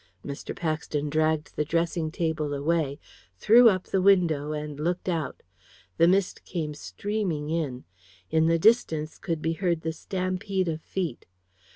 Mr. Paxton dragged the dressing table away, threw up the window, and looked out. The mist came streaming in. In the distance could be heard the stampede of feet.